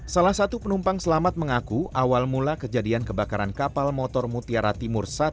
salah satu penumpang selamat mengaku awal mula kejadian kebakaran kapal motor mutiara timur satu